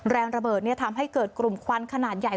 แรงระเบิดทำให้เกิดกลุ่มควันขนาดใหญ่